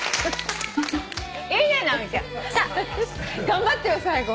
頑張ってよ最後。